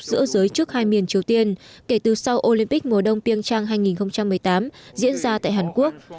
giữa giới chức hai miền triều tiên kể từ sau olympic mùa đông piêng trang hai nghìn một mươi tám diễn ra tại hàn quốc